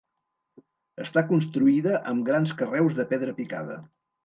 Està construïda amb grans carreus de pedra picada.